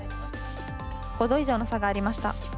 ５度以上の差がありました。